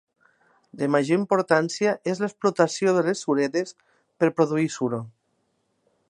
De major importància és l'explotació de les suredes per produir suro.